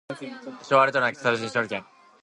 昭和レトロな喫茶店風料理